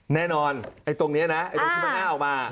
แน่นอนไอตรงนี้นะเชื่อมะห้าออกมา